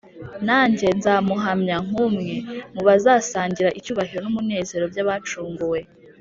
nanjye nzamuhamya nk’umwe mu bazasangira icyubahiro n’umunezero by’abacunguwe